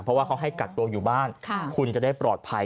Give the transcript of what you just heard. เพราะว่าเขาให้กักตัวอยู่บ้านคุณจะได้ปลอดภัย